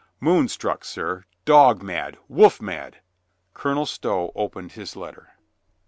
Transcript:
"Moon struck, sir. Dog mad. Wolf mad." Colonel Stow opened his letter.